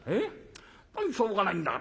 本当にしょうがないんだから。